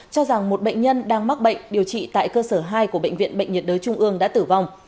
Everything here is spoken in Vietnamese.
cho rằng một bệnh nhân đang mắc bệnh điều trị tại cơ sở hai của bệnh viện bệnh nhiệt đới trung ương đã tử vong